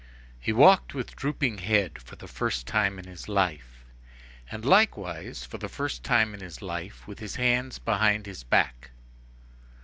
He walked with drooping head for the first time in his life, and likewise, for the first time in his life, with his hands behind his back.